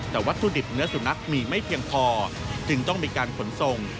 แต่วัตถุดิบเนื้อสุนัขมีไม่เพียงพอจึงต้องมีการขนส่ง